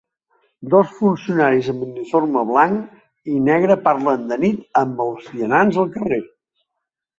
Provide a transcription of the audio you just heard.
Dos funcionaris amb uniforme blanc i negre parlen de nit amb els vianants al carrer.